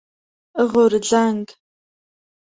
غورځنګ